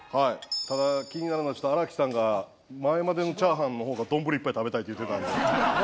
ただ気になるのが新木さんが前までのチャーハンのほうが丼いっぱい食べたいって言うてたんで。